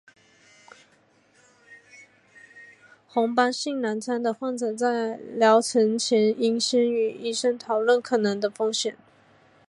红斑性狼疮的患者在疗程前应先与医生讨论可能的风险。